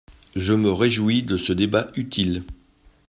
Je me réjouis de ce débat utile.